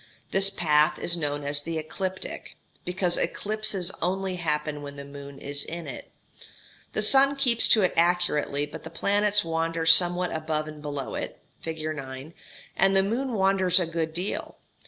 This path is known as the ecliptic, because eclipses only happen when the moon is in it. The sun keeps to it accurately, but the planets wander somewhat above and below it (fig. 9), and the moon wanders a good deal.